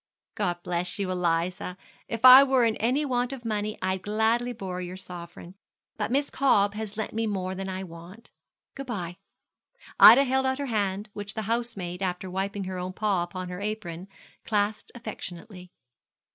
'God bless you, Eliza. If I were in any want of money, I'd gladly borrow your sovereign; but Miss Cobb has lent me more than I want. Good bye.' Ida held out her hand, which the housemaid, after wiping her own paw upon her apron, clasped affectionately.